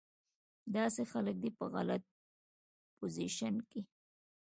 داسې خلک دې پۀ غلط پوزيشن کښې